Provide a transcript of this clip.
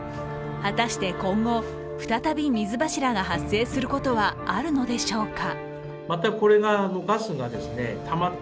果たして今後、再び水柱が発生することはあるのでしょうか？